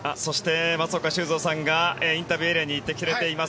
松岡修造さんがインタビューエリアに行ってくれています。